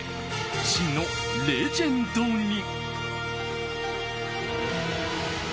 真のレジェンドに。